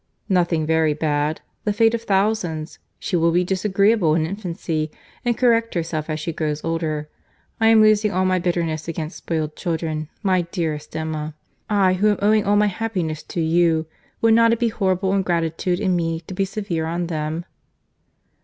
"Nothing very bad.—The fate of thousands. She will be disagreeable in infancy, and correct herself as she grows older. I am losing all my bitterness against spoilt children, my dearest Emma. I, who am owing all my happiness to you, would not it be horrible ingratitude in me to be severe on them?"